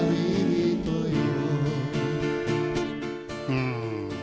うん。